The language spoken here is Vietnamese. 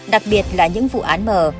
đặc biệt là những vụ án mờ